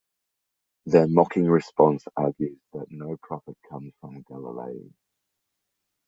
Their mocking response argues that no prophet comes from Galilee.